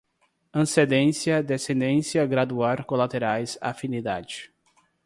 ascendência, descendência, graduar, colaterais, afinidade